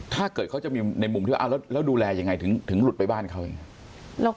ถ้าเกิดเขาจะมีในมุมที่ว่าแล้วดูแลยังไงถึงหลุดไปบ้านเขาเอง